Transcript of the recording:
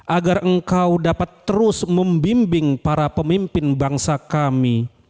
agar engkau dapat terus membimbing para pemimpin bangsa kami